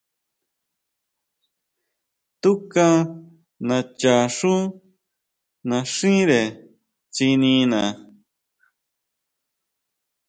Túka nacha xú naxíre tsinina.